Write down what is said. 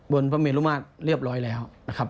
บนพระเมลุมาตรเรียบร้อยแล้ว